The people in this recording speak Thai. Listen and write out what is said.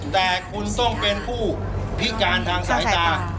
แต่คุณต้องเป็นผู้พิการทางสายตา